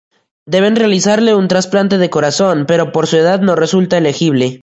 Deben realizarle un trasplante de corazón, pero por su edad no resulta elegible.